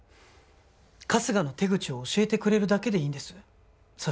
春日の手口を教えてくれるだけでいいんですそ